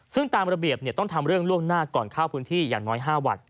ซึ่งตามระเบียบต้องทำเรื่องล่วงหน้าก่อนเข้าพื้นที่อย่างน้อย๕วัน